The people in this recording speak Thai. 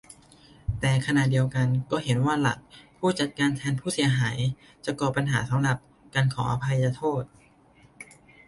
แต่ขณะเดียวกัน ก็เห็นว่าหลัก "ผู้จัดการแทนผู้เสียหาย" จะก่อปัญหา สำหรับ การขออภัยโทษ